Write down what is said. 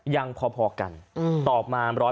ยังพอกันต่อมา๑๖๑๔๘